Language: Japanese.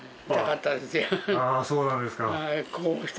そうなんですか。